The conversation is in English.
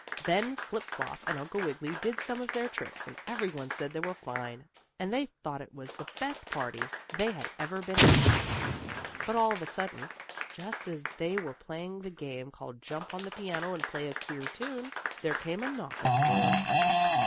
Then Flip Flop and Uncle Wiggily did some of their tricks, and every one said they were fine, and they thought it was the best party they had ever been at. But all of a sudden, just as they were playing the game called "Jump on the piano, and play a queer tune," there came a knock at the door.